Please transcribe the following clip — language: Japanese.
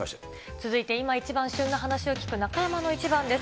続いて今一番旬な話を聞く中山のイチバンです。